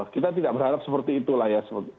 kita tidak berharap seperti itulah ya